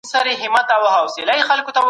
په ناحقه پر بل چا تېری مه کوئ.